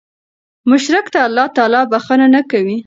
مشرک ته الله تعالی بخښنه نه کوي